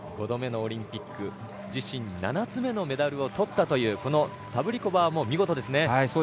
５度目のオリンピック自身７つ目のメダルを取ったというこのサブリコバーも見事ですね。